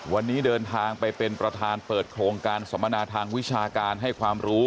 วันนี้เดินทางไปเป็นประธานเปิดโครงการสมนาทางวิชาการให้ความรู้